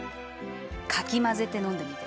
かき混ぜて飲んでみて。